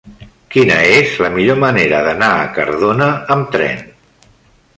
Quina és la millor manera d'anar a Cardona amb tren?